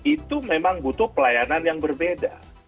itu memang butuh pelayanan yang berbeda